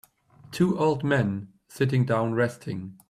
Two old men sitting down resting.